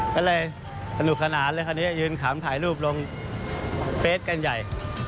ก็เลยขนุขนาดคราวนี้ยืนขามถ่ายรูปลงเฟสกันใหญ่